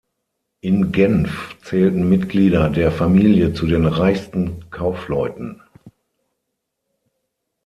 In Genf zählten Mitglieder der Familie zu den reichsten Kaufleuten.